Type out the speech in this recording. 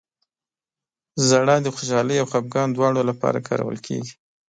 • ژړا د خوشحالۍ او خفګان دواړو لپاره کارول کېږي.